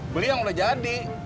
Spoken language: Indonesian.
beli yang udah jadi